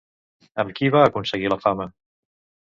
Amb qui va aconseguir la fama?